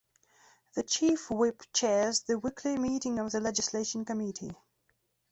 The Chief Whip chairs the weekly meeting of the Legislation Committee.